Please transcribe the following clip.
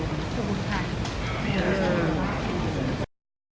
ขอบคุณค่ะ